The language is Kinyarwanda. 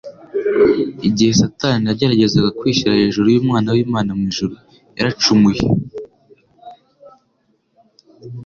Igihe Satani yageragezaga kwishyira hejuru y'Umwana w'Imana mu ijuru, yaracumuye.